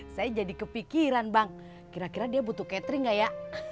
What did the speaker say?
saya jadi kepikiran bang kira kira dia butuh catering gak ya